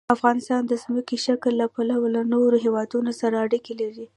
افغانستان د ځمکنی شکل له پلوه له نورو هېوادونو سره اړیکې لري.